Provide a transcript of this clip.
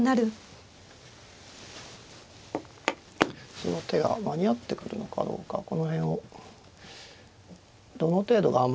その手が間に合ってくるのかどうかこの辺をどの程度頑張れるかですね。